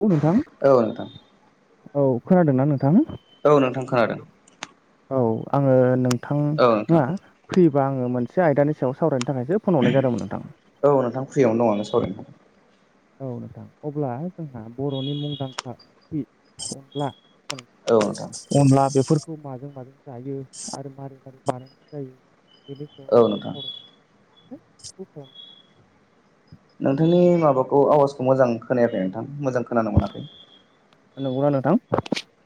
औ नोंथां। औ नोंथां औ खोनादोंना नोंथां? औ नोंथां खोनादों। औ आंङो औ नोंथां नोंथाङा फ्रिबा आंङो मोनसे आयदानि सायाव सावरायनो थाखायसो फन हरनाय जादोंमोन नोंथांनो। औ नोंथां फ्रियावनो दङं सावरायनो। औ नोंथां अब्ला जोंहा बर'नि मुंदांखा ओंख्रि अनला। औ नोंथां। अनला बेफोरखौ माजों माजों जायो आरो मारै मारै बानायनाय जायो। बेनि सायाव औ आं नोंथां सावराय नोंथांनि माबाखौ आवाजखौ मोजां खोनायाखै नोंथां मोजां खोनानो मोनाखै। नंगौना नोंथां।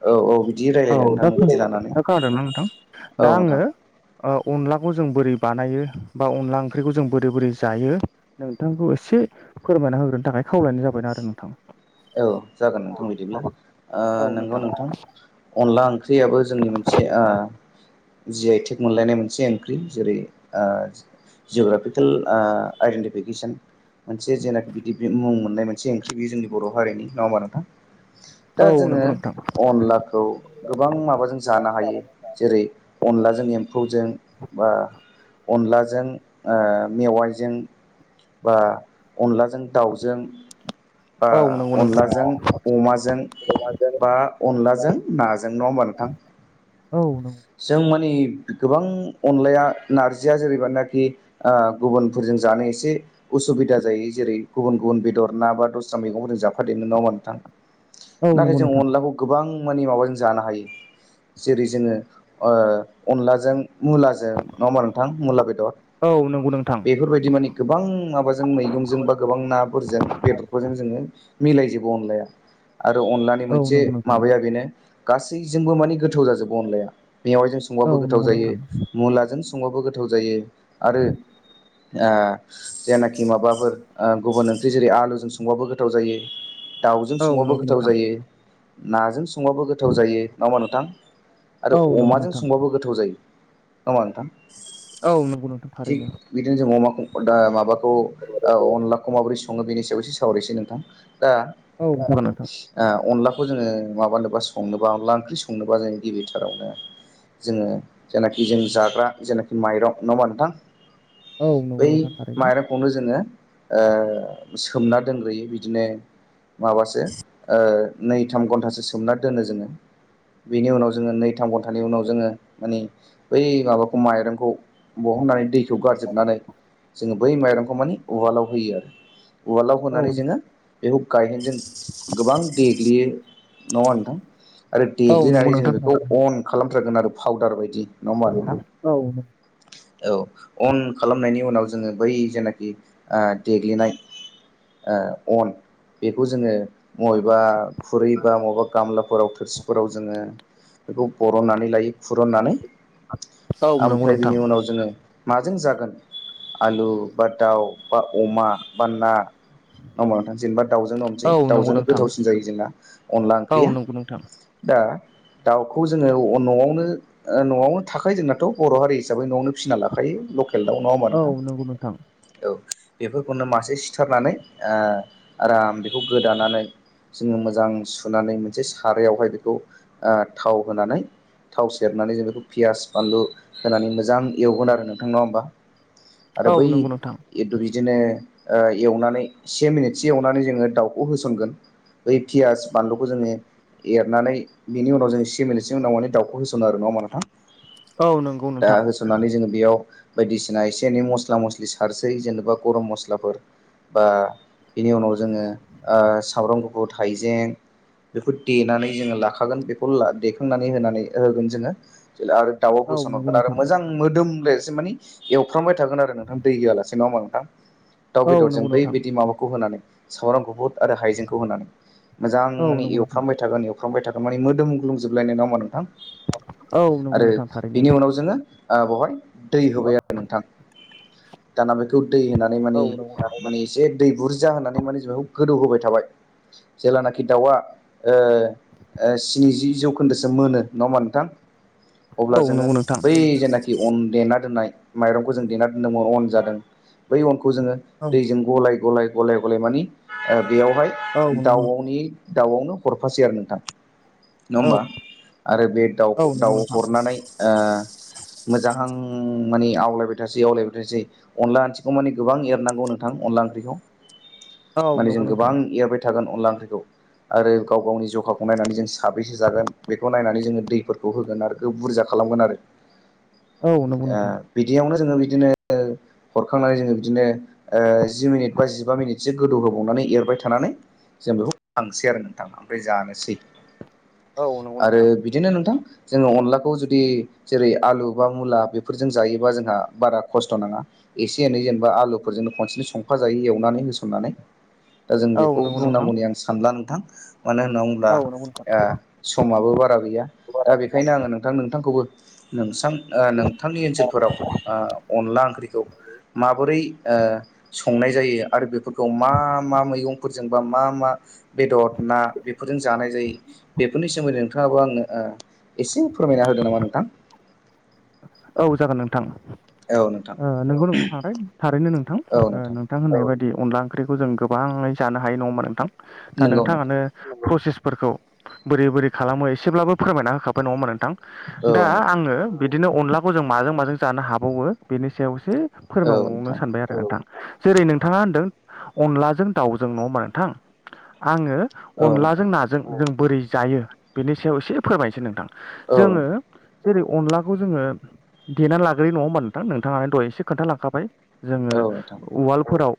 औ औ बिदि औ रायलायला नोंथां दा खोन बिदि लानानै दा खोनादों ना नोंथां औ दा आंङो नोंथां ओ अनलाखौ जों बोरै बानायो बा अनला ओंख्रिखौ जों बोरै बोरै जायो। नोंथांखौ एसे फोरमायना होग्रोनो थाखाय खावलायनाय जाबाय आरो नोंथां। औ जागोन नोंथां बिदिब्ला ओ नोंगौ नोंथां। अनला ओंख्रियाबो जोंनि मोनसे ओ जि आइ टेक मोनलायनाय मोनसे ओंख्रि जेरै ओ जिअग्राफिकेल आइडेन्टिफिकेसन मोनसे जेनाखि बिदि मुं मोननाय मोनसे ओंख्रि जोंनि। बर' हारिनि नङा होमबा नोंथां? दा औ जोङो नंगौ नोंथां अनलाखौ गोबां माबाजों जानो हायो जेरै अनलाजों एम्फौजों बा अनलाजों ओ मेवाइजों बा अनलाजों दाउजों बा औ नंगौ नोंथां अनलाजों अमाजों बा अनलाजों नाजों नङा होमबा नोंथां? औ। जों मानि गोबां अनलाया नारजिया जेरैबानाखि ओ गुबुनफोरजों जानो एसे उसुबिदा जायो जेरै गुबुन गुबुन बेदर ना बा दस्रा मैगंफोरजों जाफादेरनो नङा होमबा नोंथां? औ नाथाय नंगौ जों नोंथां अनलाखौ गोबां मानि माबाजों जानो हायो जेरै जोङो ओ अनलाजों मुलाजों नङा होमबा नोंथां मुला बेदर औ नंगौ नोंथां बेफोरबायदि मानि गोबां माबाजों मैगंजों बा गोबां नाफोरजों बेदरफोरजों जोङो मिलायजोबो अनलाया। आरो अनलानि औ मोनसे नंगौ नोंथां माबाया बेनो गासैजोंबो माने गोथाव जाजोबो। अनलाया मेवाइजों औ संबाबो गोथाव नंगौ जायो नोंथां मुलाजों संबाबो गोथाव जायो। आरो ओ जायानाखि माबाफोर ओ गुबुन ओंख्रि जेरै आलुजों संबाबो गोथाव जायो। दाउजों औ संबाबो नंगौ गोथाव नोंथां जायो। नाजों संबाबो गोथाव जायो। नङा होमबा नोंथां? आरो औ नंगौ अमाजों नोंथां संबाबो गोथाव जायो नङा होमबा नोंथां? औ नंगौ नोंथां थिग थारैनो। बिदिनो जों अमाखौ दा माबाखौ औ अनलाखौ माबोरै सङो बेनि सायाव एसे सावरायसै नोंथां। दा औ [unintelligible] ओ अनलाखौ जोङो माबानोबा संनोबा अनला ओंख्रि संनोबा जों गिबिथारावनो जोङो जेनाखि जों जाग्रा जेनाखि माइरं नङा होमबा नोंथां? औ नंगौ बै नोंथां थारैनो माइरं -खौनो जोङो माने ओ सोमना दोनग्रोयो बिदिनो माबासो ओ नै, थाम घन्टासो सोमना दोनो जोङो। बेनि उनाव जोङो नै, थाम घन्टानि उनाव जोङो माने बै माबाखौ माइरंखौ बहननानै दैखौ गारजोबनानै जोङो बै माइरंखौ माने उवालाव होयो आरो। उवालाव औ होनानै जोङो बेखौ गायहेनजों गोबां देग्लियो नङा नोंथां? आरो औ नंगौ देग्लिनानै नोंथां जोङो बेखौ थारैनो अन खालामथारगोन आरो पाउदार बायदि नङा होमबा नोंथां? औ औ अन खालामनायनि उनाव जोङो बै जेनाखि ओ देग्लिनाय ओ अन बेखौ जोङो मबेबा खुरै बा मबा गामलाफोराव थोरसिफोराव जोङो बेखौ बरननानै लायो, खुरुननानै औ नंगौ ओमफ्राय नोंथां बिनि उनाव जोङो माजों जागोन आलु बा दाउ बा अमा बा ना नङा होमबा नोंथां? जेनेबा दाउजोंनो संसै औ नंगौ दाउजोंनो नोंथां गोथावसिन जायो जोंना। अनला औ ओंख्रिया नंगौ नोंथां। दा दाउखौ जोङो न'आवनो ओ न'आवनो थाखायो जोंनाथ' बर' हारि हिसाबै न'आवनो। फिसिना लाखायो लकेल दाउ नङा होमबा औ नोंथां? नंगौ नोंथां औ बेफोरखौनो मासे सिथारनानै ओ आराम बेखौ गोदानानै। जोङो मोजां सुनानै मोनसे सारायावहाय बेखौ ओ थाव ओ होनानै थाव सेरनानै जों बेखौ पियास फानलु होनानै मोजां एवगोन आरो नोंथां। नङा होमबा? [unintelligible] आरो बै नोंथां [unintelligible] बिदिनो ओ एवनानै से मिनिटसो एवनानै जोङो दाउखौ होसनगोन बै पियास बानलुखौ जोङो एरनानै बेनि उनाव जोङो से मिनितसो उनाव माने दावखौ होसनो आरो नङा होमबा नोथां। औ नंगौ नोंथां। [unintelligible] नानै जोङो बेयाव बायदिसिना एसे एनै मस्ला मस्लि सारसस्रोयो जेनेबा गरम मस्लाफोर बा बेनि उनाव जोङो ओ सामब्राम गुफुर थाइजें बेखौ देनानै जोङो लाखा गोन बेखौनो ला देखांनानै होनानै होगोन जोङो आरो दाउआव औ होसन नंगौ हरगोन आरो नोंथां मोजां मोदोम लायजासे माने एवफ्रामबाय थागोन आरो नोंथां दै होयालासे नङा होमबा नोंथां। दाउ औ बेदरजों नंगौ बै नोंथां बिदि माबाखौ होनानै सामब्राम गुफुत आरो हाइजेंखौ होनानै। मोजां औ माने नंगौ नोंथां एवफ्रामबाय थागोन एवफ्रामबाय थागोन माने मोदोमग्लुंजोबलायनाय नङा होमबा औ नोंथां। नंगौ आरो नोंथां थारैनो बिनि उनाव जोङो ओ बवहाय दै होबाय आरो नोंथां। दाना बेखौ दै होनानै माने औ नंगौ माने थारैनो एसे दै बुरजा होनानै माने बेखौ गोदौ होबाय थाबाय। जेलानाखि दाउआ ओ स्निजि जौखोन्दोसो मोनो नङा होमबा नोंथां अब्ला औ जोङो नंगौ नोंथां बै जेनाखि अन देना दोन्नाय माइरंखौ जों देना दोन्दों अन जादों बै अनखौ जोङो औ दैजों गलाय गलाय गलाय गलाय माने बेयावहाय औ नंगौ दाउनि दाउआवनो हरफासै आरो नोंथां। नङा औ होमबा आरो बे दाउ नंगौ दाउ नोंथां हरनानै ओ मोजां माने आवलायबाय थासै आवलायबाय थासै अनला ओंथिखौ माने गोबां एरनांगौ नोंथां अनला ओंख्रिखौ [inaudible] माने जों नंगौ गोबां नोंथां एरबाय थागोन अनला ओंख्रिखौ आरो गाव गावनि जखाखौ बे नायनानै जों साब्रैसो जागोन बेखौ नायनानै जोङो दैफोरखौ होगोन आरो बुरजा खालामगोन आरो औ नंगौ ओ नोंथां बिदियावनो जोङो बिदिनो हरखांनानै जोङो बिदिनो जि मिनिट बा जिबा मिनिटसो गोदौहोबावनानै एरबाय थानानै जों बेखौ थांनोसै आरो नोंथां ओमफ्राय जानोसै औ नंगौ आरो नोंथां बिदिनो नोंथां जोङो अनलाखौ जुदि जेरै आलु बा मुला बेफोरजों जायोबा जोंहा बारा खस्थ' नङा एसे एनै जेनेबा आलुफोरजोंनो खनसेनो संफ जायो एवनानै होसननानै दा जों औ बेखौ नंगौ नोंथां बुंनांगौनि आं सानला नोंथां मानो होनना बुङोब्ला औ नंगौ ओ नोंथां। समाबो बारा गैया दा बेखायनो आङो नोंथां नोंथांखौबो नोंसां ओ नोंथांनि ओनसोलफोराव अनला ओंख्रिखौ माबोरै संनाय जायो आरो बेफोरखौ मा मा मैगंफोरजोंबा मा मा बेदर ना बेफोरजों जानाय जायो। बेफोरनि सोमोन्दै नोंथाङाबो आङो एसे फोरमायना होगोन नामा नोंथां। औ जागोन नोंथां। औ नोंथां। ओ नोंगौ नोंथां थारैनो नोंथां ओ नोंथां होननाय बायदि अनला ओंख्रिखौ जों गोबाङै जानो हायो नङोमा नोंथां। दा नंगौ नोंथां नोंथाङानो प्रसेसफोरखौ बोरै बोरै खालामो एसेब्लाबो फोरमायना होखाबाय नङा होनबा नोंथां। औ दा नोंथां आङो बिदिनो अनलाखौ जों माजों माजों जानो हाबावो बेनि सायावसो औ फोरमावनो नोंथां सानबाय आरो नोंथां जेरै नोंथाङा होनदों अनलाजों दाउजों नङा होमबा नोंथां आङो औ नोंथां अनलाजों नाजों जों बोरै जायो बेनि सायाव एसे फोरमायनोसै नोंथां। औ जोङो नोंथां जेरै अनलाखौ जोङो। देनानै लाग्रोयो नङा होमबा नोंथां नोंथाङानो दह'इ एसे खोन्थालांखाबाय जोङो औ नोंथां वालडफोराव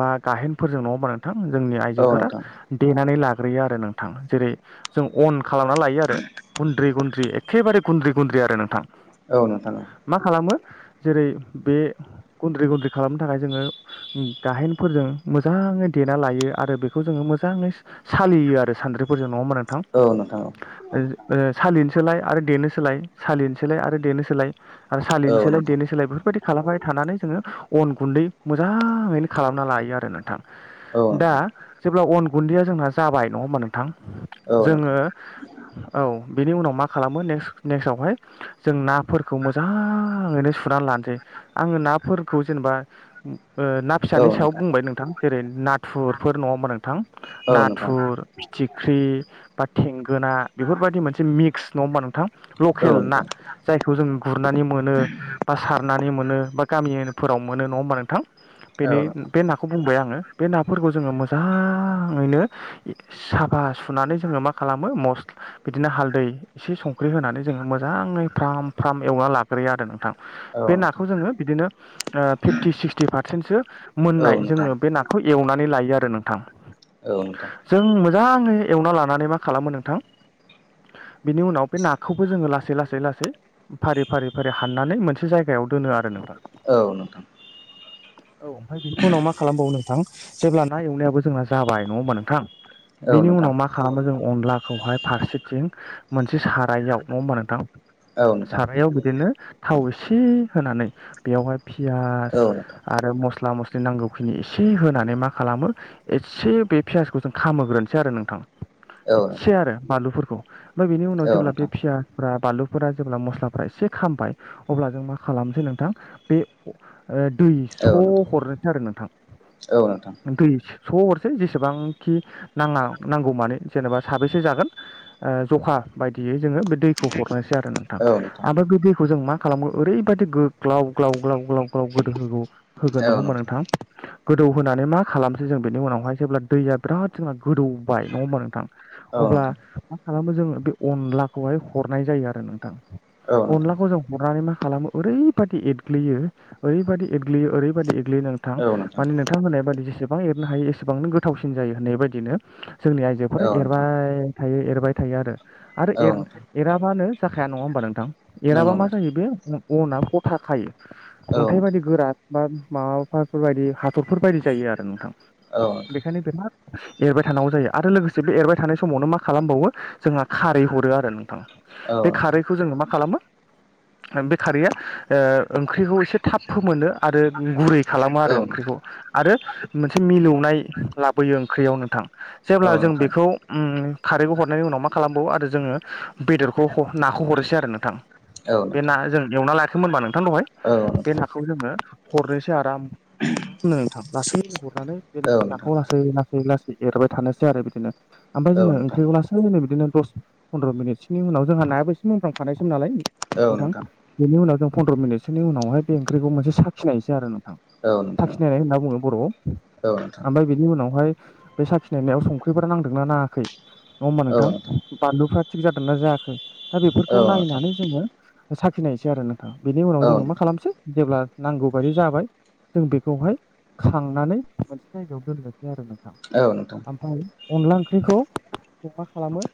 बा गाहेनफोरजों नङाहोनबा नोंथां जोंनि औ आइजोफोरा नोंथां देनानै लाग्रोयो आरो नोंथां‌। जेरै जों अन खालामना लायो आरो गुन्द्रि गुन्द्रि एखेबारे गुन्द्रि गुन्द्रि आरो नोंथां। औ नोंथां। औ मा खालामो जेरै बे गुन्द्रि गुन्द्रि खालामनो थाखाय जोङो गाहेनफोरजों मोजाङै देना लायो आरो बेखौ जोङो मोजाङै सालियो आरो सानद्रिफोरजों नङा औ नोंथां [unintelligible] [unintelligible] सालिनोसोलाय आरो देनो सोलाय सालिनोसोलाय आरो देनो सोलाय। आरो औ सालिनो औ सोलाय नोंथां देनो सोलाय बेफोरबायदि खालामबाय थानानै जोङो अन गुन्दै मोजाङैनो खालामना लायो आरो नोंथां। औ दा नोंथां जेब्ला अन गुन्दैया जोंना जाबाय नङा होमबा नोंथां औ जोङो नोंथां औ बिनि उनाव मा खालामो ने नेक्स्टवहाय जों नाफोरखौ मोजाङैनो सुनानै लासै आङो नाफोरखौ जेनेबा ओ ना फिसानि सायाव बुंबाय नोंथां जेरै नाथुरफोर नङा होमबा नोंथां औ नोंथां नाथुर। फिथिख्रि बा थेंगोना बेफोरबायदि मोनसे मिक्स नङा होमबा नोंथां औ लकेल ना। नोंथां जायखौ जों गुरनानै मोनो। बा सारनानै मोनो बा गामियारिफोराव मोनो नङा होमबा नोंथां औ बेनि नोंथां बे नाखौ बुंबाय आङो बे नाफोरखौ जोङो मोजाङैनो साफा सुनानै जोङो मा खालामो मस बिदिनो हालदै एसे संख्रि होनानै जोङो मोजां मोजाङै फ्राम फ्राम एवना लाग्रोयो आरो नोंथां। औ बे नोंथां नाखौ जोङो बिदिनो ओ फिफ्टि सिक्सटि पारसेन्टसो औ मोननाय नोंथां जोङो बे ना खौ एवनानै लायो आरो नोंथां। औ नोंथां। जों मोजाङै एवना लानानै मा खालामो नोंथां बिनि उनाव बे नाखौबो जोङो लासै लासै लासै लासै फारि फारि फारि हाननानै मोनसे जायगायाव दोनो आरो नोंथां। औ नोंथां। [unintelligible] औ ओमफ्राय बेनि उनाव मा खालामबावो नोंथां जेब्ला ना एवनायाबो जोंना जाबाय नङा होमबा नोंथां। औ बेनि नोंथां उनाव मा खालामो जों अनलाखौहाय फारसेथिं मोनसे सारायाव [unintelligible] औ [unintelligible] नोंथां सारायाव बिदिनो थाव एसे होनानै बेयावहाय पियास आरो मस्ला मस्लि नांगौखिनि एसे होनानै मा खालामो एसे बे पियासखौ जों खामोग्रोनसै आरो नोंथां। इसे आरो बानलुफोरखौ ओमफ्राय बेनि औ उनाव नोंथां औ नोंथां औ नोंथां जेब्ला बे फिया फोरा बानलुफोरा जेब्ला मस्लाफोरा एसे खामबाय अब्ला जों मा खालामसै नोंथां बे ओ दै औ नोंथां औ नोंथां औ नोंथां औ नोंथां औ नोंथां स' औ हरनोसै आरो नोंथां नोंथां दै स' हरसै जेसेबांखि नाङा नांगौ मानि जेनेबा साबेसे जागोन। ओ जखा बायदियै जोङो बे दैखौ हरनोसै आरो नोंथां ओमफ्राय बे दैखौ जों मा खालामगोन ओरैबायदि गो ग्लाव ग्लाव ग्लाव ग्लाव ग्लाव गोदो होगौ होगोन नङा होमबा नोंथां। गोदौ होनानै मा खालामसै जों बेनि उनावहाय जेब्ला दैया बिराद जोंना गोदौबाय नङा होमबा नोंथां। अब्ला मा खालामो जोङो बे अनलाखौहाय हरनाय जायो आरो नोंथां। अनलाखौ जों हरनानै मा खालामो ओरैबादि एरग्लियो ओरैबादि एरग्लियो ओरैबायदि [unintelligible] नोंथां माने नोंथां होननाय बायदि जेसेबां एरनो हायो एसेबांनो गोथावसिन जायो होननाय बायदिनो जोंनि आइजोफोरा एरबाय थायो एरबाय थायो आरो आरो औ एर नोंथां एराबानो जाखाया नङा होमबा नोंथां एराबा नंगौ मा नोंथां जायो बे अनाआ गथा खायो। औ अन्थाइ नोंथां बायदि गोरा बा माबाफोर बायदि हाथरफोर बायदि जायो आरो नोंथां। औ नोंथां [unintelligible] एरबाय थानांगौ जायो आरो लोगोसे बे एरबाय थानाय समावनो मा खालामबावो जोंहा खारै हरो आरो नोंथां। औ बे नोंथां खारैखौ जोंनो मा खालामो बे खारैया ओ ओंख्रिखौ एसे थाब फोमोनो आरो गुरै खालामो औ आरो नोंथां ओंख्रिखौ। आरो मोनसे मिलौनाय लाबोयो ओंख्रियाव नोंथां जेब्ला औ जों नोंथां बेखौ उम खारैखौ हरनायनि उनाव मा खालामबावो आरो जोङो बेदरखौ [unintelligible] नाखौ हरनोसै आरो नोंथां। औ बे ना नोंथां जों एवना लायाखैमोनबा नोंथां दहाय औ बे नोंथां ना खौ जोङो हरनोसै आराम [unintelligible] लासैनो हरनानै बे औ नोंथां औ नाखौ नोंथां औ नोंथां लासै लासै लासै एरबाय थानोसै आरो बिदिनो ओमफ्राय औ जोङो ओंख्रिखौ लासै नै बिदिनो दस फन्द्र' मिनिटसोनि उनाव जोंहा नायाबो एसे मोनफ्राम खानायसोमोन नालाय नोंथां। बेनि उनाव जों फन्द्र' मिनिटसोनि उनावहाय बे ओंख्रिखौ मोनसे साखिनायसै आरो नोंथां। औ थाखिनायनाय होनना बुङो बर'आव नोंथां ओमफ्राय बेनि उनावहाय बे साखिनायनायाव संख्रिफोरा नांदोंना नाङाखै नङा होमबा नोंथां। बानलुफ्रा थिग जादोंना जायाखै दा औ बेफोरखौ नोंथां नायनानै जोङो साखिनायसै आरो न बेनि उनाव औ जोङो मा खालामसै जेब्ला नांगौ बायदि जाबाय जों बेखौहाय खांनानै मोनसे जायगायाव दोननोसै आरो नोंथां। औ नोंथां। ओमफ्राय अनला ओंख्रिखौ जों मा खालामो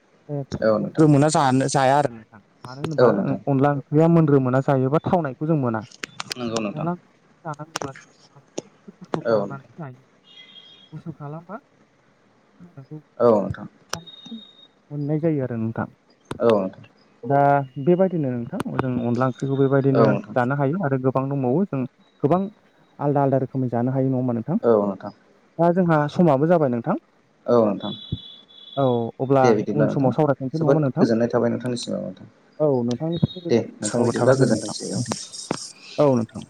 औ नोंथां ना जानो जाया आरो नोंथां मानो औ नोंथां होनोबा औ नोंथां अनला ओंख्रिया मोग्रोमोना जायोबा थावनायखौ जों मोना नंगौ नोंथां अनला जानांगौब्ला जों एसे खुस्थ' औ नोंथां खालामनानैसो जायो। गुसु खालामबा [unintelligible] औ नोंथां। मोननाय जायो आरो नोंथां। औ। दा बेबायदिनो नोंथां जों अनला ओंख्रिखौ औ बेबायदिनो नोंथां जानो हायो आरो। गोबां दंबावो जों गोबां आलदा आलदा रोखोमै जानो हायो नङा होमबा नोंथां? औ नोंथां। दा जोंहा समाबो जाबाय नोंथां। औ नोंथां। औ अब्ला दे बिदिब्ला उन समाव नोंथां सावरायखां जोबोद गोजोननाय थाबाय नोंथांनि सिमाव नोंथां। औ नोंथांनिसिमबो दे नोंथां गोजानाय बिदिब्ला थाबाय गोजोनथोंसै औ गोजोनथों औ नोंथां।